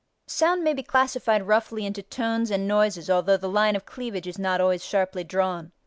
Sound may be classified roughly into tones and noises although the line of cleavage is not always sharply drawn.